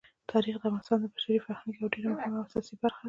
تاریخ د افغانستان د بشري فرهنګ یوه ډېره مهمه او اساسي برخه ده.